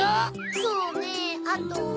そうねあとは。